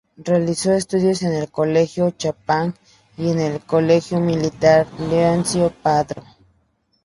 Realizó estudios en el Colegio Champagnat y en el Colegio Militar Leoncio Prado.